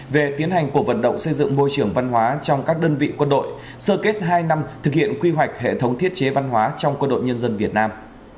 về tiến hành cuộc vận động xây dựng môi trường văn hóa trong các đơn vị quân đội sơ kết hai năm thực hiện quy hoạch hệ thống thiết chế văn hóa trong quân đội nhân dân việt nam